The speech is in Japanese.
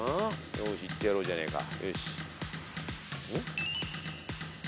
よーしいってやろうじゃねえか。